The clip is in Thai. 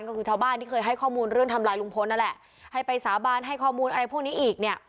ก็คือชาวบ้านที่เคยให้ข้อมูลเรื่องทำลายลุงพลนั่นแหละให้ไปสาบานให้ข้อมูลอะไรพวกนี้อีกเนี่ย